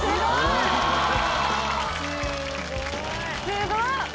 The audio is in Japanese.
すごい。